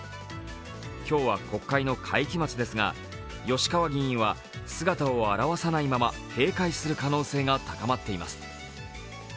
今日は国会の会期末ですが、吉川議員は姿を現さないまま閉会する可能性が高まっています。